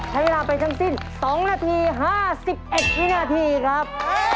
ใช้เวลาไปทั้งสิ้น๒นาที๕๑วินาทีครับ